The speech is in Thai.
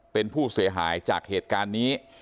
เป็นผู้เสียหายจากเหตุการณ์นี้